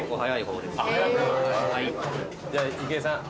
じゃあ郁恵さん。